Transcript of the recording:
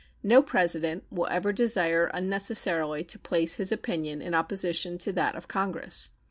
No President will ever desire unnecessarily to place his opinion in opposition to that of Congress.